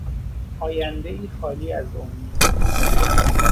آیندهای خالی از امید